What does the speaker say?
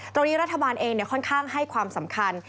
รัฐบาลเองค่อนข้างให้ความสำคัญ